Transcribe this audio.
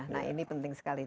nah ini penting sekali